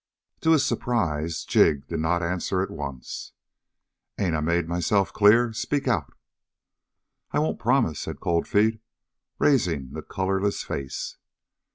To his surprise Jig did not answer at once. "Ain't I made myself clear? Speak out!" "I won't promise," said Cold Feet, raising the colorless face.